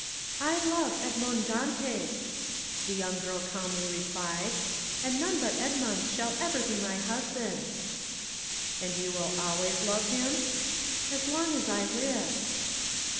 "I love Edmond Dantès," the young girl calmly replied, "and none but Edmond shall ever be my husband." "And you will always love him?" "As long as I live."